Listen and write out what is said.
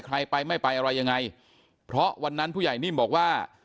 ใครไปไม่ไปอะไรยังไงเพราะวันนั้นผู้ใหญ่นิ่มบอกว่า